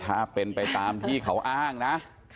ถ้าเป็นไปตามที่เขาอ้างนะ